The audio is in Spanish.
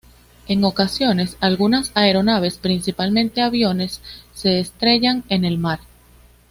En ocasiones algunas aeronaves, principalmente aviones, se estrellan en el mar.